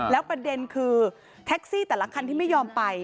แล้วประเด็นคือแท็กซี่แต่ละคันที่ไม่ยอมไป